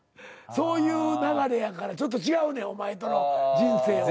そういう流れやからちょっと違うねんお前との人生は。